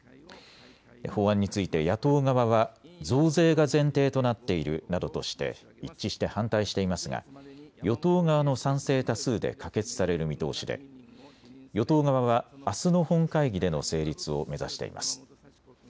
法案について野党側は増税が前提となっているなどとして一致して反対していますが与党側の賛成多数で可決される見通しで与党側はあすの本会議での成立を目指しています。